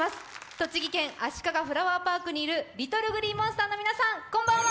栃木県あしかがフラワーパークにいるＬｉｔｔｌｅＧｌｅｅＭｏｎｓｔｅｒの皆さんこんばんは。